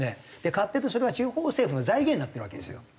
買っててそれは地方政府の財源になってるわけですよ。